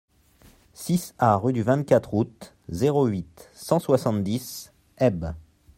six A rue du vingt-quatre Août, zéro huit, cent soixante-dix, Haybes